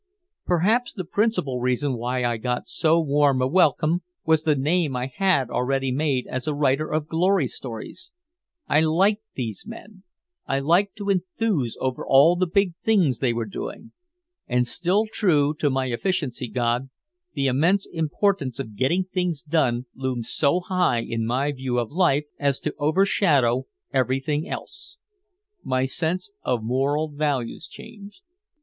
Perhaps the principal reason why I got so warm a welcome was the name I had already made as a writer of glory stories. I liked these men; I liked to enthuse over all the big things they were doing. And still true to my efficiency god, the immense importance of getting things done loomed so high in my view of life as to overshadow everything else. My sense of moral values changed.